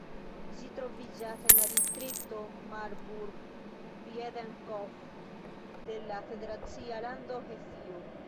Ĝi troviĝas en la distrikto Marburg-Biedenkopf de la federacia lando Hesio.